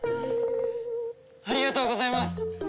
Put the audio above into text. ありがとうございます！